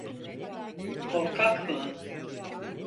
Korkak mı?